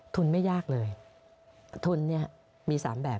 ทุนไม่ยากเลยทุนมี๓แบบ